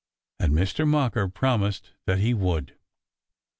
And Mistah Mocker promised that he would.